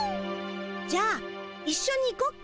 じゃあいっしょに行こっか？